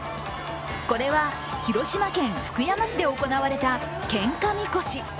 これは広島県福山市で行われた、けんか神輿。